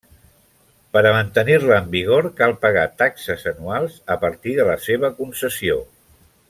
Per a mantenir-la en vigor cal pagar taxes anuals a partir de la seva concessió.